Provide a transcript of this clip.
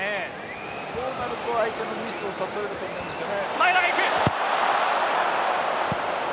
こうなると相手のミスを誘えるといいんですよね。